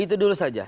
itu dulu saja